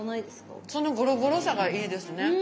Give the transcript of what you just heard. そのゴロゴロさがいいですね。